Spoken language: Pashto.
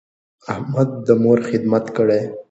احمد د مور خدمت کړی.